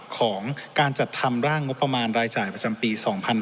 ของการจัดทำร่างงบประมาณรายจ่ายประจำปี๒๕๕๙